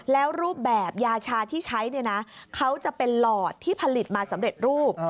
แล้วรูปแบบยาชาที่ใช้เนี่ยนะเขาจะเป็นหลอดที่ผลิตมาสำเร็จรูป